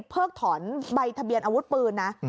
เพิกถอนใบทะเบียนอาวุธปืนนะ